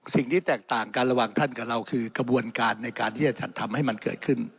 สิ่งที่แตกต่างกันระหว่างท่านกับเราคือกระบวนการในการที่จะจัดทำให้มันเกิดขึ้น